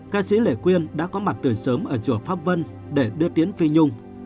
ca sĩ lệ quyên đã có mặt từ sớm ở chùa pháp vân để đưa tiếng phi nhung